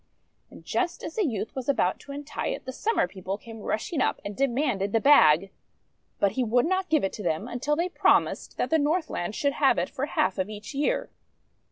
And just as the youth was about to untie it, the Summer People came rushing up, and de manded the bag. But he would not give it to them, until they promised that the Northland should have it for half of each year.